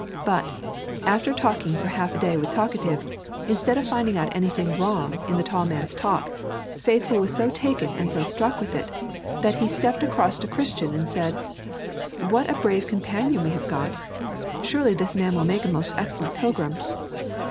But, after talking for half a day with Talkative, instead of finding out anything wrong in the tall man's talk, Faithful was so taken and so struck with it, that he stepped across to Christian and said, 'What a brave companion we have got! Surely this man will make a most excellent pilgrim!'